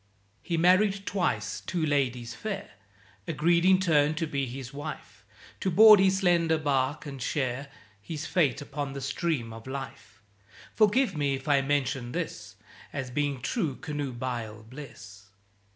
He married twice; two ladies fair Agreed in turn to be his wife, To board his slender barque and share His fate upon the stream of Life. (Forgive me if I mention this As being true Canoebial bliss!)